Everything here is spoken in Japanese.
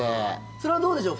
それはどうでしょう？